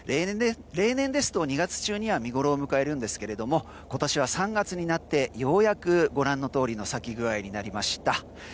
例年ですと２月中には見ごろを迎えるんですが今年は３月になってようやく、ご覧のとおりの咲き具合になりました。